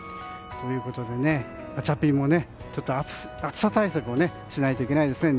ということで、ガチャピンも暑さ対策をしないといけないですね。